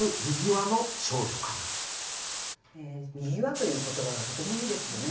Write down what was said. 「汀」という言葉がとてもいいですよね。